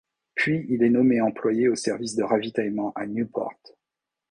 Puis, il est nommé employé au service de ravitaillement à Nieuport.